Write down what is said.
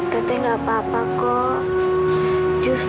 teteh tidak apa apa